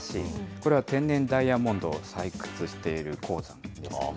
これは天然ダイヤモンドを採掘している鉱山ですよね。